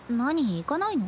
行かないの？